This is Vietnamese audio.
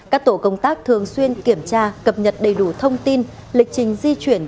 các tổ công tác thường xuyên kiểm tra cập nhật đầy đủ thông tin lịch trình di chuyển